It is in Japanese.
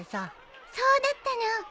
そうだったの。